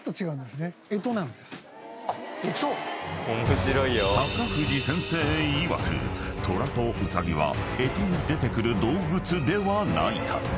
干支⁉［高藤先生いわく虎とウサギは干支に出てくる動物ではないか］